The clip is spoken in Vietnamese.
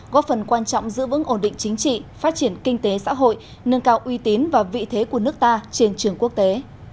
góp phần quan trọng giữ vững ổn định chính trị phát triển kinh tế xã hội nâng cao uy tín và vị thế của nước ta trên trường quốc tế